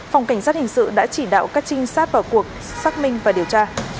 phòng cảnh sát hình sự đã chỉ đạo các trinh sát vào cuộc xác minh và điều tra